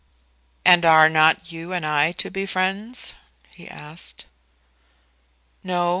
"And are not you and I to be friends?" he asked. "No.